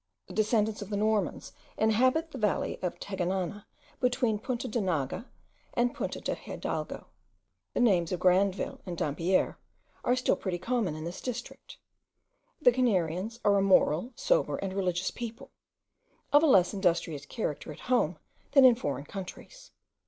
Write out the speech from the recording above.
The descendants of the Normans inhabit the valley of Teganana, between Punta de Naga and Punta de Hidalgo. The names of Grandville and Dampierre are still pretty common in this district. The Canarians are a moral, sober, and religious people, of a less industrious character at home than in foreign countries.